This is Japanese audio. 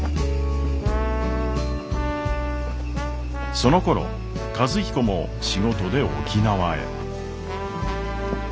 そのころ和彦も仕事で沖縄へ。